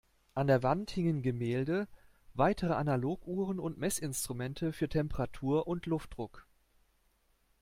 An der Wand hingen Gemälde, weitere Analoguhren und Messinstrumente für Temperatur und Luftdruck.